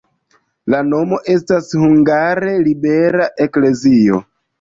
La nomo estas hungare libera-eklezio.